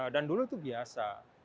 dan dulu itu biasa